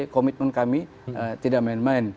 komitmen kami tidak main main